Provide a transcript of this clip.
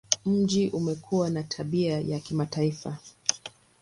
Mji umekuwa na tabia ya kimataifa.